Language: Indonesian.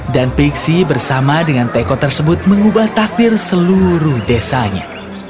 dan pixie bersama dengan teko tersebut mengubah takdir seluruh desanya